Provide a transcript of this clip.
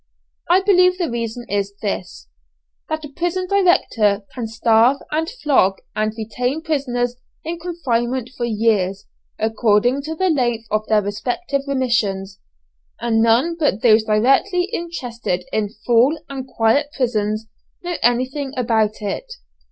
I believe the reason is this, that a prison director can starve and flog and retain prisoners in confinement for years, according to the length of their respective remissions, and none but those directly interested in full and quiet prisons know anything about it.